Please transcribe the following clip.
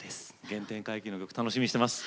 原点回帰の曲楽しみにしてます。